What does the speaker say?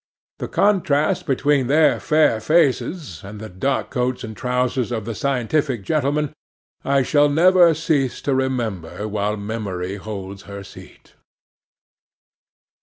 The contrast between their fair faces and the dark coats and trousers of the scientific gentlemen I shall never cease to remember while Memory holds her seat.